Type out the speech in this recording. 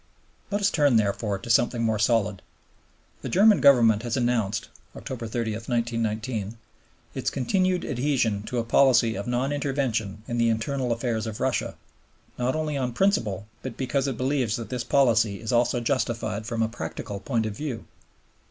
Let us turn, therefore, to something more solid. The German Government has announced (October 30, 1919) its continued adhesion to a policy of non intervention in the internal affairs of Russia, "not only on principle, but because it believes that this policy is also justified from a practical point of view."